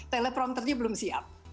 teleprompternya belum siap